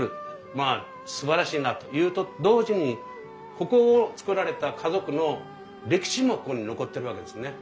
まあすばらしいなというと同時にここを造られた家族の歴史もここに残ってるわけですね。